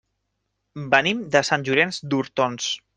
Venim de Sant Llorenç d'Hortons.